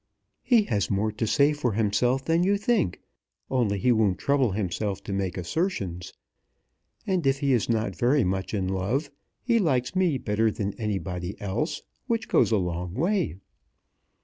"He has more to say for himself than you think; only he won't trouble himself to make assertions. And if he is not very much in love, he likes me better than anybody else, which goes a long way."